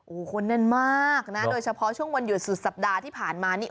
โอ้โหคนแน่นมากนะโดยเฉพาะช่วงวันหยุดสุดสัปดาห์ที่ผ่านมานี่